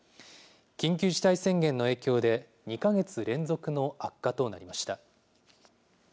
緊急事態宣言の影響で２か月連続の悪化となりました。